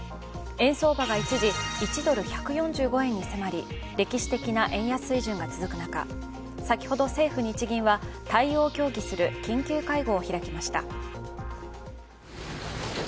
円相場が一時、１ドル＝１４５円に迫り、歴史的な円安水準が続く中先ほど政府・日銀は対応を協議する緊急会合を開きました。